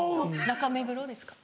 中目黒ですか？